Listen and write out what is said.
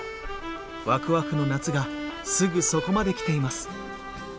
わくわくの夏がすぐそこまで来ています。